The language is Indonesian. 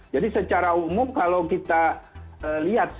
jadi secara umum kalau kita lihat